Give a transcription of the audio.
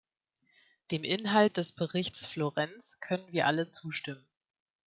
Dem Inhalt des Berichts Florenz können wir alle zustimmen.